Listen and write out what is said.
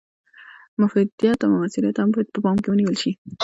مفیدیت او مثمریت هم باید په پام کې ونیول شي.